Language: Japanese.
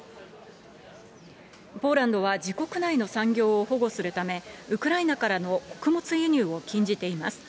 ポーランドは自国内の産業を保護するため、ウクライナからの穀物輸入を禁じています。